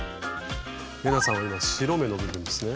玲奈さんは白目の部分ですね。